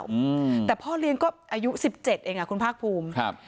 อืมแต่พ่อเลี้ยงก็อายุสิบเจ็ดเองอ่ะคุณภาคภูมิครับ